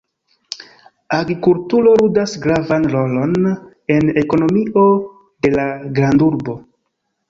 Agrikulturo ludas gravan rolon en ekonomio de la grandurbo.